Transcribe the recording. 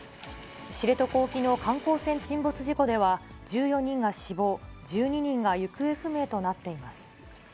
知床沖の観光船沈没事故では１４人が死亡、１２人が行方不明となっています。